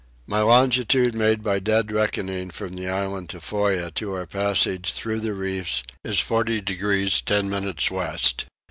My longitude made by dead reckoning from the island Tofoa to our passage through the reef is 40 degrees 10 minutes west.